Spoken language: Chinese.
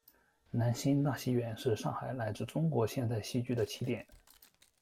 兰心大戏院是上海乃至中国现代戏剧的起点。